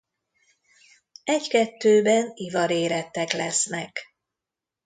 Egy-kettőben ivarérettek lesznek.